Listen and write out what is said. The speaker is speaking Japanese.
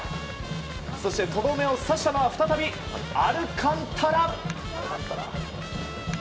そして、とどめを刺したのは再びアルカンタラ。